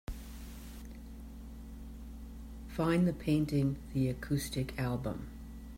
Find the painting The Acoustic Album